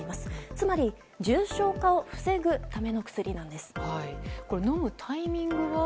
つまり、重症化を防ぐための飲むタイミングは？